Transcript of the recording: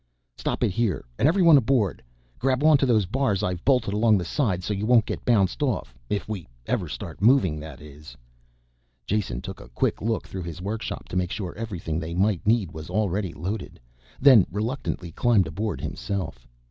"Stop it here and everyone aboard. Grab onto those bars I've bolted along the sides so you won't get bounced off, if we ever start moving that is." Jason took a quick look through his workshop to make sure everything they might need was already loaded, then reluctantly climbed aboard himself.